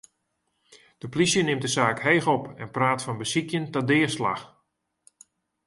De polysje nimt de saak heech op en praat fan besykjen ta deaslach.